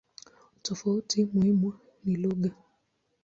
Tofauti muhimu ni lugha.